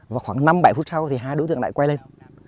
vào khoảng năm bảy phút sau thì hai đối tượng lại quay lên